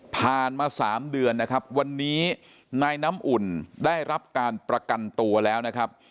ผ่านมา๓เดือนนะครับวันนี้นายน้ำอุ่นได้รับการประกันตัวแล้วนะครับ